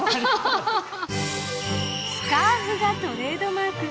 スカーフがトレードマーク。